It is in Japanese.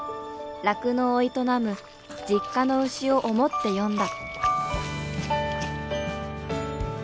酪農を営む実家の牛を思って詠んだ。